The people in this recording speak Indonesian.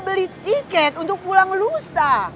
beli tiket untuk pulang lusa